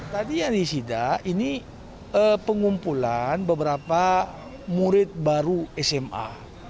tadi yang disida ini pengumpulan beberapa murid baru sma